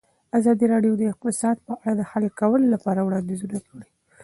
ازادي راډیو د اقتصاد په اړه د حل کولو لپاره وړاندیزونه کړي.